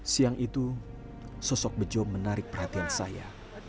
siang itu sosok bejo menarik perhatian saya